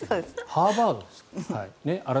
ハーバードですから。